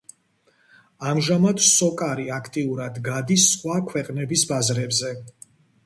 ამჟამად, „სოკარი“ აქტიურად გადის სხვა ქვეყნების ბაზრებზე.